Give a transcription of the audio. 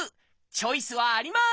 チョイスはあります！